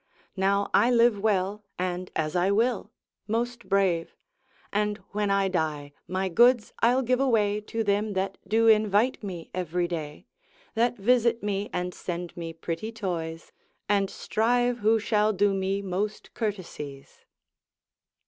Now I live well, and as I will, most brave. And when I die, my goods I'll give away To them that do invite me every day. That visit me, and send me pretty toys, And strive who shall do me most courtesies.